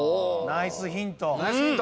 ・ナイスヒント。